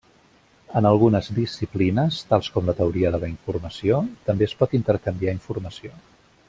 En algunes disciplines, tals com la teoria de la informació, també es pot intercanviar informació.